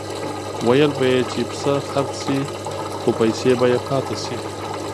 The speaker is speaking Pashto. ویل به یې چې پسه خرڅ شي خو پیسې به یې پاتې شي.